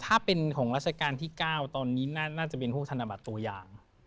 ถ้าเป็นของราชการที่๙ตอนนี้น่าจะเป็นพวกธนบัตรตัวอย่าง